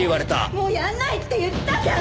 もうやんないって言ったじゃん。